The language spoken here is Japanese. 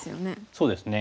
そうですね。